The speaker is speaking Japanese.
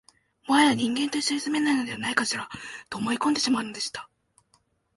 もはや人間と一緒に住めないのではないかしら、と思い込んでしまうのでした